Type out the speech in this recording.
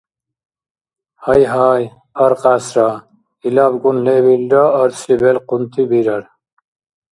Гьайгьай аркьясра, илабкӀун лебилра арцли белкъунти бирар.